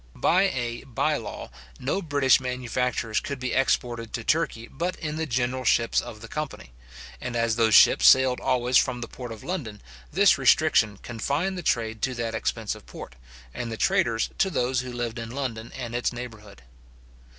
By a bye law, no British manufactures could be exported to Turkey but in the general ships of the company; and as those ships sailed always from the port of London, this restriction confined the trade to that expensive port, and the traders to those who lived in London and in its neighbourhood.